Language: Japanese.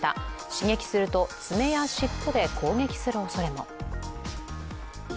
刺激すると爪や尻尾で攻撃するおそれも。